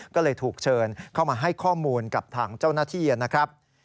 ก็เลยถูกเชิญเข้ามาให้ข้อมูลกับทางเจ้าหน้าที่นะครับ